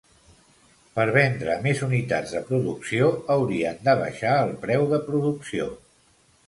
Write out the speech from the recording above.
Per vendre més unitats de producció, haurien d'abaixar el preu de producció.